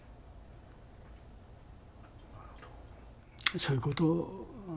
そういうこと。